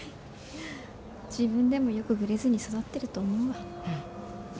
自分でもよくグレずに育ってると思うわ。